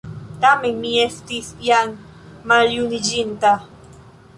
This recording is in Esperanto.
Tamen mi estis jam maljuniĝinta.